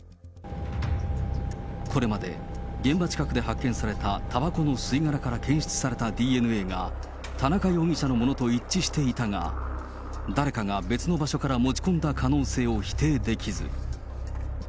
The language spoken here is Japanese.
これまで現場近くで発見されたたばこの吸い殻から検出されたＤＮＡが田中容疑者のものと一致していたが、誰かが別の場所から持ち込んだ可能性を否定できず。